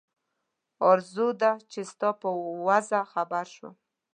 آرزو ده چې ستا په وضع خبر شم.